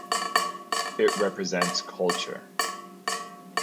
It represents Culture.